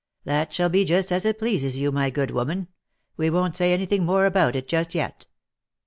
" That shall be just as it pleases you, my good woman, we won't say any thing more about it, just yet."